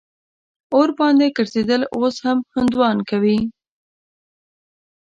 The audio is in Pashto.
اور باندې ګرځېدل اوس هم هندوان کوي.